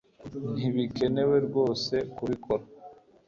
ntibikenewe rwose kubikora